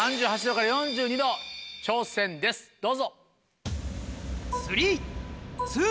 ℃から４２℃挑戦ですどうぞ。